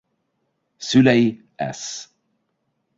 Szülei Sz.